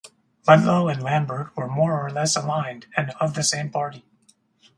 Ludlow and Lambert were more or less aligned and of the same party.